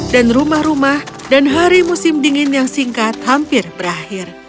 dan rumah rumah dan hari musim dingin yang singkat hampir berakhir